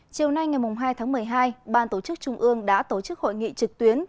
chiều nay ngày hai tháng một mươi hai ban tổ chức trung ương đã tổ chức hội nghị trực tuyến